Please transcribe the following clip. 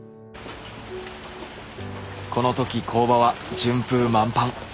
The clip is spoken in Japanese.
このとき工場は順風満帆。